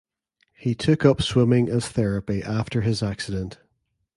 He took up swimming as therapy after his accident.